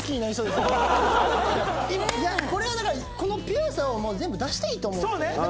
だからこのピュアさを全部出したいと思ってね。